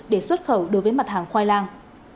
để xuất khẩu đối với mặt hàng khoai lang